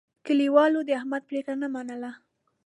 کلیوالو د احمد پرېکړه نه منله.